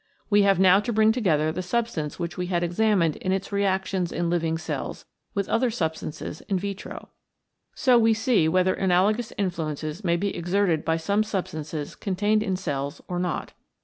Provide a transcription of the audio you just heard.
We have now to bring together the sub stance which we had examined in its reactions in living cells with other substances in vitro. So we see whether analogous influences may be exerted by some substances contained in cells or not.